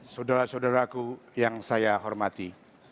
saudara saudaraku yang saya hormati